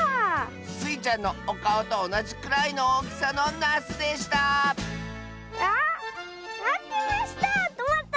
スイちゃんのおかおとおなじくらいのおおきさのなすでしたあまってましたトマト！